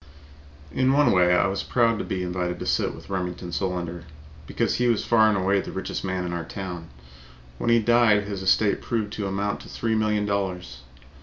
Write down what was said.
In one way I was proud to be invited to sit with Remington Solander, because he was far and away the richest man in our town. When he died, his estate proved to amount to three million dollars.